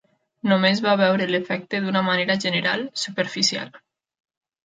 Només va veure l'efecte d'una manera general, superficial.